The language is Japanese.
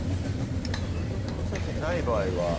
フードプロセッサーない場合は？